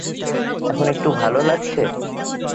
এখন একটু ভালো লাগছে?